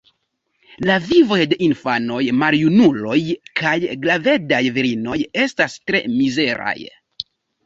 La vivoj de infanoj, maljunuloj kaj gravedaj virinoj estas tre mizeraj.